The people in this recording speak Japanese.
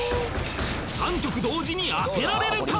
３曲同時に当てられるか？